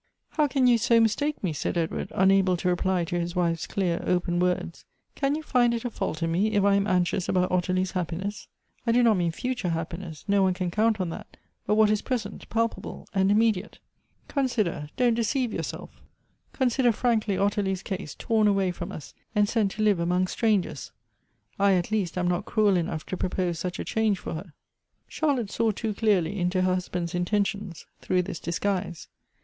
"How can you so mistake me?" said Edward, unable to reply to his wife's clear, open words. " Can you find it a fault in me, if I am anxious about Ottilie's happiness ? I do not mean future happiness — no one can count on that — but what is present, palpable, and immediate. Consider, don't deceive yourself; consider frankly Ot tilie's case, torn away from us, and sent to live among strangers. I, at least, am not cruel enough to propose such a change for her !" Charlotte saw too clearly into her husband's intentions, through this disguise.